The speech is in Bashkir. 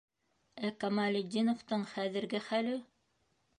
Ә Камалетдиновтың хәҙерге хәле?